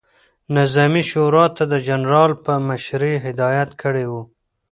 نظامي شورا ته د جنرال په مشري هدایت کړی ؤ،